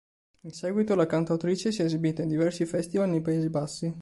In seguito la cantautrice si è esibita in diversi festival nei Paesi Bassi.